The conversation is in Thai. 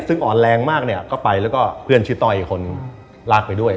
ซึ่งอ่อนแรงมากเนี่ยก็ไปแล้วก็เพื่อนชื่อต้อยอีกคนลากไปด้วย